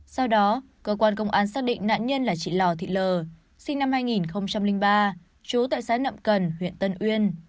sau đó cơ quan công an xác định nạn nhân là chị lò thị lờ sinh năm hai nghìn ba chú tại xã nậm cần huyện tân uyên